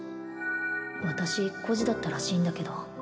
私孤児だったらしいんだけど